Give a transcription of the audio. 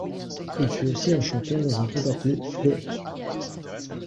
Il fut aussi un chanteur dans un groupe appelé Float.